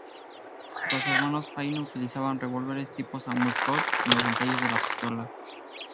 Los hermanos Paine utilizaban revólveres tipo Samuel Colt en los ensayos de la pistola.